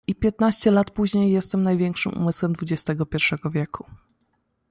I piętnaście lat później jestem największym umysłem dwudziestego pierwszego wieku.